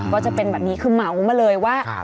ก็จะเป็นแบบนี้คือเหมามาเลยว่า